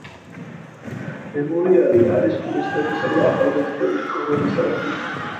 მემორიალი არის ტურისტებისა და ახალგაზრდების სტუმრობის ადგილი.